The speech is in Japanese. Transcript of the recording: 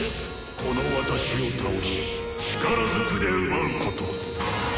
この私を倒し力ずくで奪うこと！